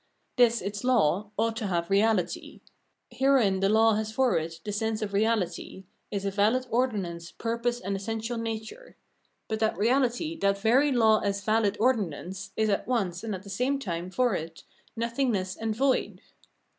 This its law ought to have reahty : herein the law has for it the sense of reahty, is a valid ordinance, purpose and essential nature ; but that reahty, that very law as vahd or The Frenzy of Self conceit 365" dinance, is at once and at the same time for it nothing ness and void.